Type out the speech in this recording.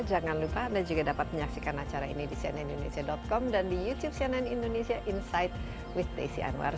jangan lupa anda juga dapat menyaksikan acara ini di cnnindonesia com dan di youtube cnn indonesia insight with desi anwar